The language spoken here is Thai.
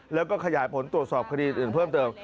แล้วก็ขยายผลตรวจสอบคดีอื่นเพิ่มเติม